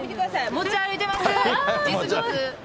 持ち歩いてます、実物。